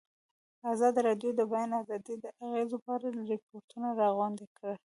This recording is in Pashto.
ازادي راډیو د د بیان آزادي د اغېزو په اړه ریپوټونه راغونډ کړي.